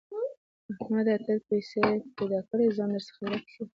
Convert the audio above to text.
احمده! تا چې پيسې پیدا کړې؛ ځان درڅخه ورک شو.